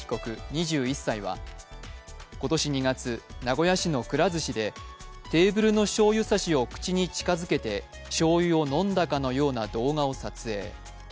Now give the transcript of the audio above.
２１歳は、今年２月、名古屋市のくら寿司でテーブルのしょうゆ差しを口に近づけてしょうゆを飲んだかのような動画を撮影。